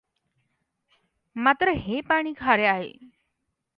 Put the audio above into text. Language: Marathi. मात्र हे पाणी खारे आहे.